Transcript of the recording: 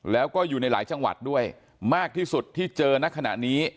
แล้วก็อยู่ในหลายจังหวัดด้วยมากที่สุดที่เจอณขณะนี้